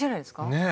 ねえ！